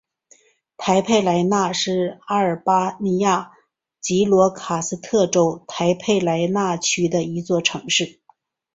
台佩莱纳是阿尔巴尼亚吉罗卡斯特州台佩莱纳区的一座城市。